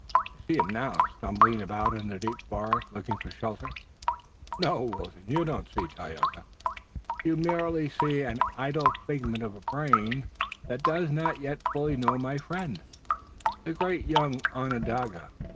I see him now, stumbling about in the deep forest, looking for shelter." "No, Wilton, you don't see Tayoga. You merely see an idle figment of a brain that does not yet fully know my friend, the great young Onondaga.